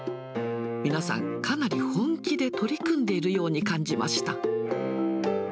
皆さん、かなり本気で取り組んでいるように感じました。